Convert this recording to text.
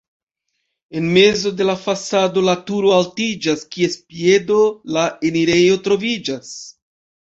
En mezo de la fasado la turo altiĝas, kies piedo la enirejo troviĝas.